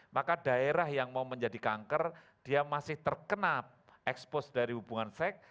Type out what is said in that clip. maka daerah yang mau menjadi kanker dia masih terkena expose dari hubungan seks